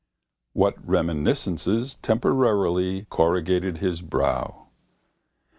What reminiscences temporarily corrugated his brow?